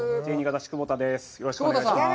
よろしくお願いします。